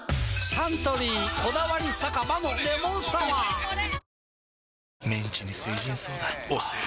サントリー「こだわり酒場のレモンサワー」推せる！！